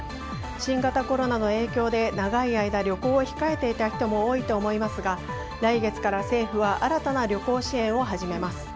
新型コロナの影響で長い間旅行を控えていた人も多いと思いますが来月から政府は新たな旅行支援を始めます。